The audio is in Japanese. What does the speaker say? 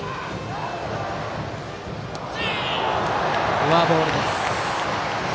フォアボールです。